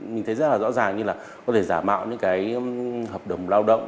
mình thấy rất là rõ ràng như là có thể giả mạo những cái hợp đồng lao động